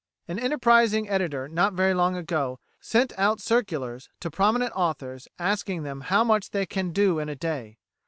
An enterprising editor, not very long ago, sent out circulars to prominent authors asking them how much they can do in a day.